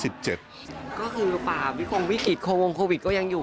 ก็คือป่าวิคงวิกฤตโควิดก็ยังอยู่